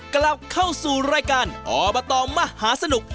กลับเข้าสู่รายการอบตมหาสนุก